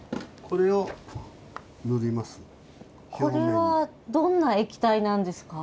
これはどんな液体なんですか？